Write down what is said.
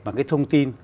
mà cái thông tin